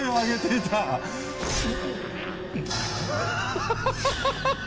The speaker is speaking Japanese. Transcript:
ハハハハハハ！